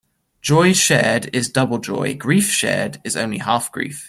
Joy shared is double joy; grief shared is only half grief.